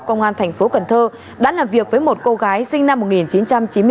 công an tp cn đã làm việc với một cô gái sinh năm một nghìn chín trăm chín mươi bốn